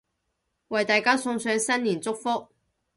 為大家送上新年祝福